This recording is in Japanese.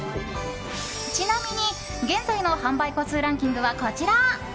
ちなみに、現在の販売個数ランキングはこちら。